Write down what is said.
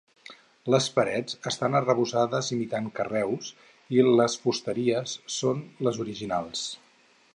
Les parets estan arrebossades imitant carreus i les fusteries són les originals.